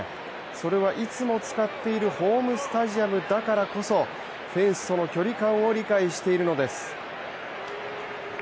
それはいつも使っているホームスタジアムだからこそフェンスとの距離感を理解しているのです。